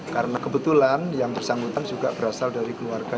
karena kebetulan yang bersangkutan juga berasal dari keluarga